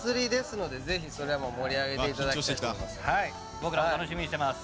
僕らも楽しみにしてます。